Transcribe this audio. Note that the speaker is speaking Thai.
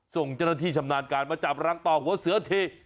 ส่งเจ้าหน้าที่ชำนาญการมาจับรังต่อหัวเสือที